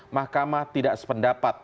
mahkamah tidak sependapat